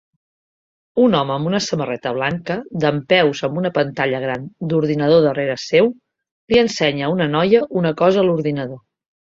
Un home amb una samarreta blanca dempeus amb una pantalla gran d'ordinador darrere seu li ensenya a una noia una cosa a l'ordinador